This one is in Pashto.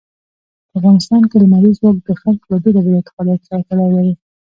په افغانستان کې لمریز ځواک د خلکو له بېلابېلو اعتقاداتو سره تړاو لري.